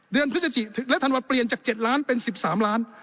พฤศจิและธันวาเปลี่ยนจาก๗ล้านเป็น๑๓ล้าน